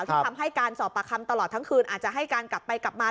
คำให้การสอบปากคำตลอดทั้งคืนอาจจะให้การกลับไปกลับมา